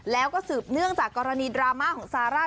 แล้วก็สืบเนื่องจากกรณีดราม่าของซาร่า